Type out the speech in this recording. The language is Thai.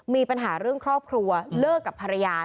มีปัญหาเรื่องครอบครัวเลิกกับภรรยา